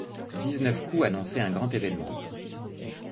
Dix-neuf coups annonçaient un grand événement.